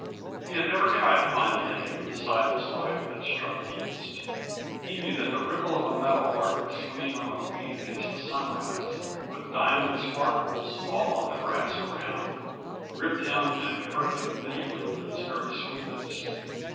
He had never tried to find a name for the side of his life that struck deepest. He knew that the ripple of a meadow lark swinging on a weed against the sunrise, with diamond sparkles all on the grass around, gripped him and hurt him vaguely with its very sweetness.